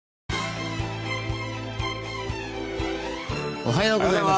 おはようございます。